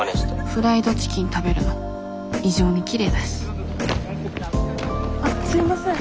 フライドチキン食べるの異常にきれいだしあっすいません。